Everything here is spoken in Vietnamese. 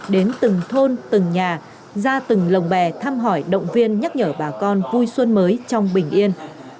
đến từng thôn từng nhà ra từng lồng bè thăm hỏi động viên nhắc nhở bà con vui xuân mới trong bình yên